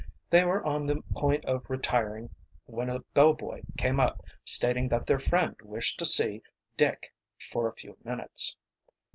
They were on the point of retiring when a bell boy came up stating that their friend wished to see Dick for a few minutes.